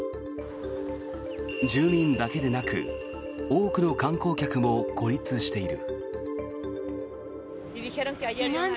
住民だけでなく多くの観光客も孤立している。